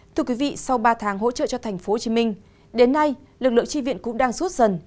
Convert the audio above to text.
thưa quý vị sau ba tháng hỗ trợ cho tp hcm đến nay lực lượng tri viện cũng đang rút dần